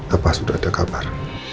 apa sudah ada kabar